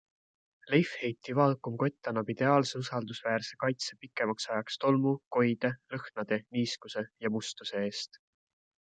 Leifheiti vaakumkott annab ideaalse usaldusväärse kaitse pikemaks ajaks tolmu, koide, lõhnade, niiskuse ja mustuse eest.